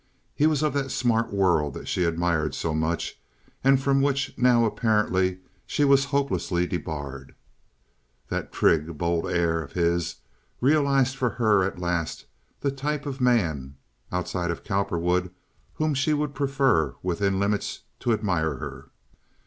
He was of that smart world that she admired so much, and from which now apparently she was hopelessly debarred. That trig, bold air of his realized for her at last the type of man, outside of Cowperwood, whom she would prefer within limits to admire her.